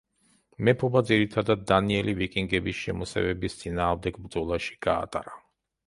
მეფობა ძირითადად დანიელი ვიკინგების შემოსევების წინააღმდეგ ბრძოლაში გაატარა.